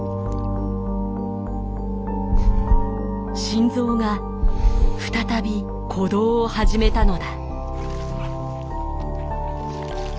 心臓が再び鼓動を始めたのだ。